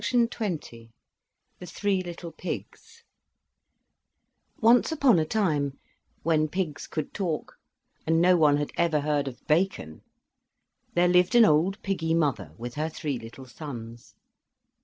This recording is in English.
THE THREE LITTLE PIGS Once upon a time, when pigs could talk and no one had ever heard of bacon, there lived an old piggy mother with her three little sons.